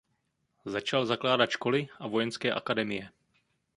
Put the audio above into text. Začal zakládat školy a vojenské akademie.